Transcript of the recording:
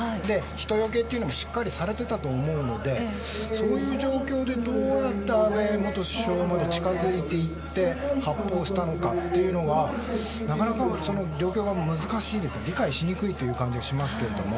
人よけというのもしっかりされていたと思うのでそういう状況でどうやって安倍元首相まで近づいていって発砲したのかというのはなかなか、状況が難しい理解しにくいという感じがしますけれども。